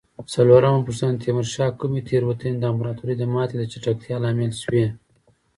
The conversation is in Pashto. څلورمه پوښتنه: د تیمورشاه کومې تېروتنه د امپراتورۍ د ماتې د چټکتیا لامل شوې؟